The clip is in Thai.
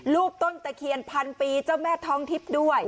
ต้นตะเคียนพันปีเจ้าแม่ท้องทิพย์ด้วย